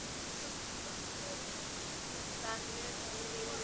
এখন একটি অতি সূক্ষ্ম প্রশ্ন আসিতেছে।